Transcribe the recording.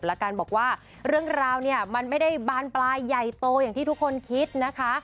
แล้วกันบอกว่าเรื่องราวเนี่ยมันไม่ได้บานปลายใหญ่โตอย่างที่ทุกคนคิดนะคะ